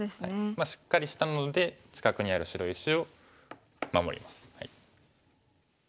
しっかりしたので近くにある白石を守ります。